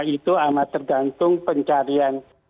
itu amat tergantung pencarian